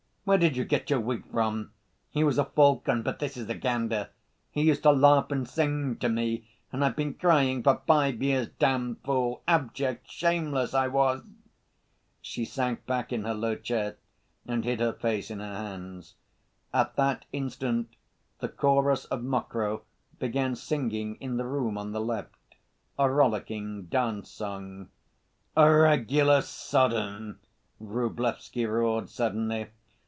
Where did you get your wig from? He was a falcon, but this is a gander. He used to laugh and sing to me.... And I've been crying for five years, damned fool, abject, shameless I was!" She sank back in her low chair and hid her face in her hands. At that instant the chorus of Mokroe began singing in the room on the left—a rollicking dance song. "A regular Sodom!" Vrublevsky roared suddenly.